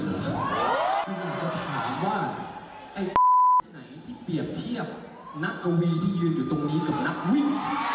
มีคนถามว่าไอ้ที่ไหนที่เปรียบเทียบนักกะมีที่ยืนอยู่ตรงนี้ตัวนักวิ่ง